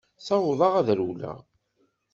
Ssawḍeɣ ad rewleɣ.